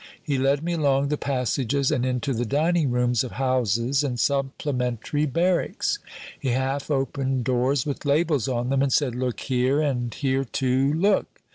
He led me along the passages and into the dining rooms of houses and supplementary barracks. He half opened doors with labels on them, and said, 'Look here, and here too look!'